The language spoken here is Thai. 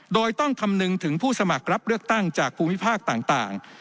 โดยต้องคำนึงถึงผู้สมัครรับเลือกตั้งจากภูมิภาคต่าง